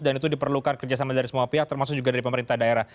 dan itu diperlukan kerjasama dari semua pihak termasuk juga dari pemerintah daerah